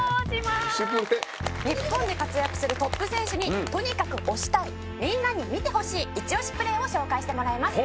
日本で活躍するトップ選手にとにかく推したいみんなに見てほしいイチ推しプレーを紹介してもらいます。